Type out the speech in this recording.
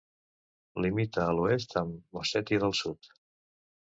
Limita a l'oest amb Ossètia del Sud.